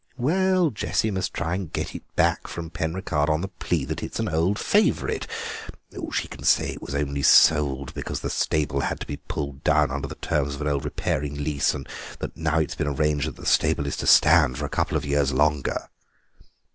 "Well, Jessie must try and get it back from Penricarde on the plea that it's an old favourite. She can say it was only sold because the stable had to be pulled down under the terms of an old repairing lease, and that now it has been arranged that the stable is to stand for a couple of years longer."